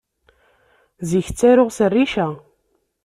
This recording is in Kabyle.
Zik ttaruɣ s rrica.